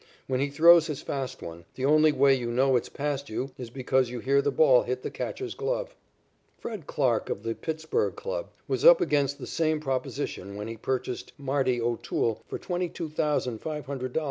"When he throws his fast one, the only way you know it's past you is because you hear the ball hit the catcher's glove." Fred Clarke, of the Pittsburg club, was up against the same proposition when he purchased "Marty" O'Toole for $22,500 in 1911.